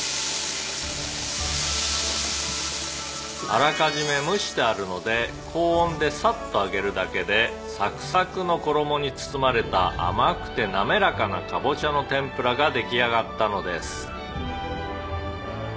「あらかじめ蒸してあるので高温でサッと揚げるだけでサクサクの衣に包まれた甘くて滑らかなカボチャの天ぷらが出来上がったのです」